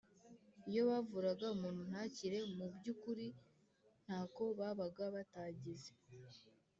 iyo bavuraga umuntu ntakire Mu by ukuri ntako babaga batagize